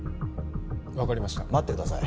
分かりました待ってください